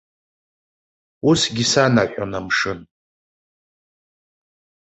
Усгьы санаҳәон амшын.